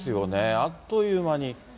あっという間に。